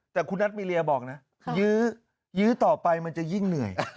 แต่คุณนัทมีเรียบอกนะยื้อยื้อต่อไปมันจะยิ่งเหนื่อย